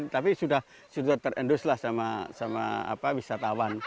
tapi sudah terenduslah sama wisatawan